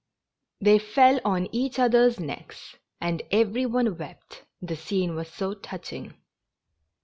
They fell on each other's necks, and every one wept, the scene was so touching